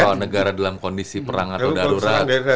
kalau negara dalam kondisi perang atau darurat